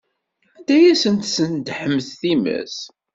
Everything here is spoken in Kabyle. Anda ay asen-tesnedḥemt times?